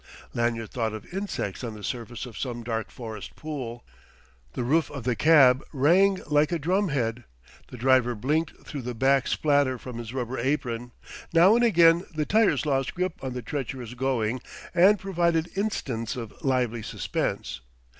Lanyard thought of insects on the surface of some dark forest pool.... The roof of the cab rang like a drumhead; the driver blinked through the back splatter from his rubber apron; now and again the tyres lost grip on the treacherous going and provided instants of lively suspense.